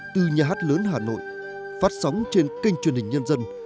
từ nhà hát lớn hà nội phát sóng trên kênh truyền hình nhân dân